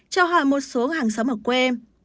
trao hỏi một số hàng xóm ở quê